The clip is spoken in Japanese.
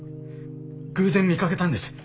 偶然見かけたんです